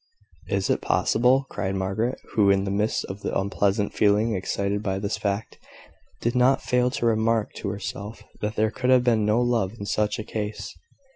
"Is it possible?" cried Margaret, who, in the midst of the unpleasant feeling excited by this fact, did not fail to remark to herself that there could have been no love in such a case.